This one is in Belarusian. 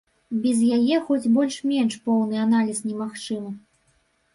Без яе хоць больш-менш поўны аналіз немагчымы.